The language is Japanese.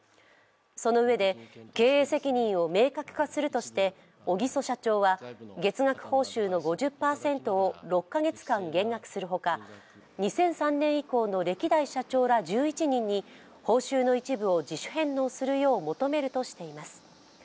そのうえで経営責任を明確化するとして小木曽社長は、月額報酬の５０％を６か月間減額するほか２００３年以降の歴代社長ら１１人に報酬の一部を自主返納するよう求めるとしています。